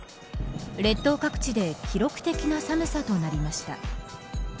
列島各地で記録的な寒さとなりました。